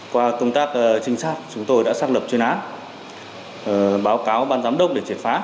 qua công tác trinh sát chúng tôi đã xác lập chuyên án báo cáo ban giám đốc để triệt phá